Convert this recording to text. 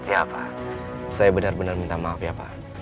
ya apa saya benar benar minta maaf ya pak